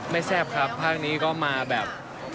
แซ่บครับภาคนี้ก็มาแบบ